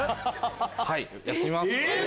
はいやってみます。